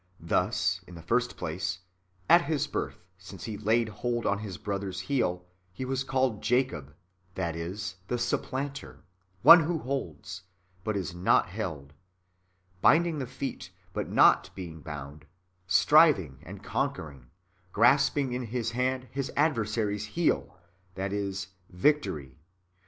Thus, in the first place, at his birth, since he laid hold on his brother's heel,* he was called Jacob, that is, the supplanter — one who holds, but is not held ; binding the feet, but not being bound ; striving and conquer ing ; grasping in his hand his adversary's heel, that is, victory.